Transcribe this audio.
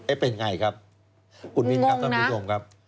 เอ๊ะเป็นไงครับ